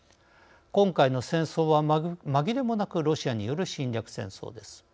今回の戦争は紛れもなくロシアによる侵略戦争です。